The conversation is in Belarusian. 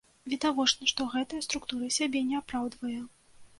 Відавочна, што гэтая структура сябе не апраўдвае.